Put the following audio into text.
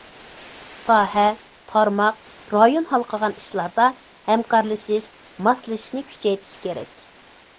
ساھە، تارماق، رايون ھالقىغان ئىشلاردا ھەمكارلىشىش، ماسلىشىشنى كۈچەيتىش كېرەك.